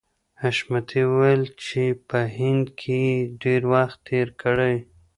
حشمتي وویل چې په هند کې یې ډېر وخت تېر کړی